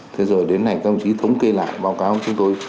thế giờ đến này tham chí thống kê lại báo cáo chúng tôi